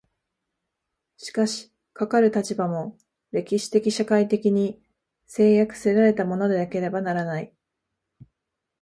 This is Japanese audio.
しかしかかる立場も、歴史的社会的に制約せられたものでなければならない。